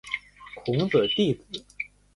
孔子弟子。